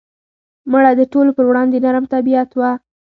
مړه د ټولو پر وړاندې نرم طبیعت وه